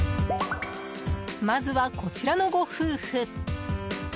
まずは、こちらのご夫婦。